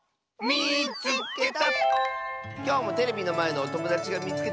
「みいつけた！」。